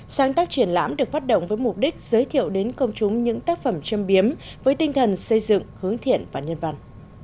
sáng tác triển lãm được phát động với mục đích giới thiệu đến công chúng những tác phẩm châm biếm với tinh thần xây dựng hướng thiện và nhân văn